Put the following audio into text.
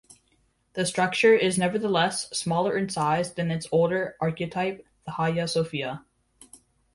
The structure is nevertheless smaller in size than its older archetype, the Hagia Sophia.